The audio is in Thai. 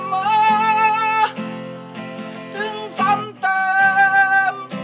ถึงสำเติม